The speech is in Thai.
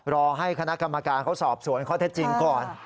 รอให้คณะกรรมการเขาสอบสวนข้อเท็จจริงก่อน